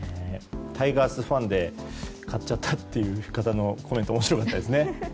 タイガースファンで買っちゃったっていう方のコメント面白かったですね。